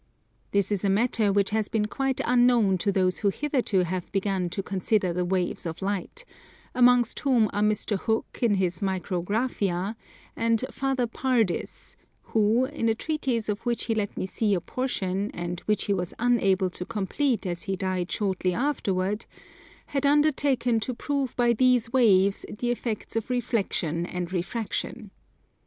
This is a matter which has been quite unknown to those who hitherto have begun to consider the waves of light, amongst whom are Mr. Hooke in his Micrographia, and Father Pardies, who, in a treatise of which he let me see a portion, and which he was unable to complete as he died shortly afterward, had undertaken to prove by these waves the effects of reflexion and refraction.